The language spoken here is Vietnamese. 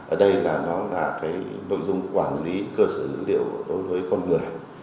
ở đây là nội dung quản lý cơ sở dữ liệu đối với con người